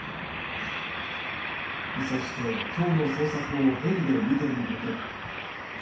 そして今日の捜索をヘリで見てみると。